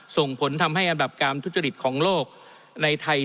ส่งผลทำให้อันดับการทุจริตของโลกในไทย